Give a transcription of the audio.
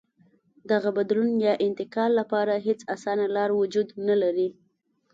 دغه بدلون یا انتقال لپاره هېڅ اسانه لار وجود نه لري.